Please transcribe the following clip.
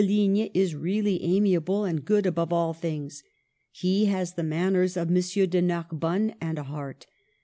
Ligne is really amiable and good above all things. He has the manners of M. de Narbonne, and a heart.